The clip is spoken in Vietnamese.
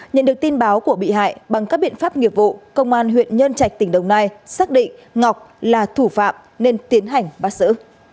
nhận được tin báo của bị hại bằng các biện pháp nghiệp vụ công an huyện nhân trạch tỉnh đồng nai xác định ngọc là thủ phạm nên tiến hành bắt xử